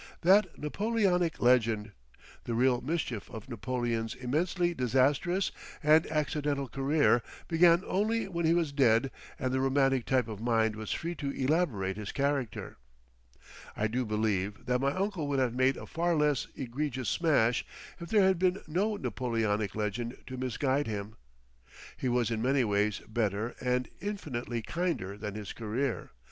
That Napoleonic legend! The real mischief of Napoleon's immensely disastrous and accidental career began only when he was dead and the romantic type of mind was free to elaborate his character. I do believe that my uncle would have made a far less egregious smash if there had been no Napoleonic legend to misguide him. He was in many ways better and infinitely kinder than his career.